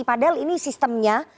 padahal ini sistemnya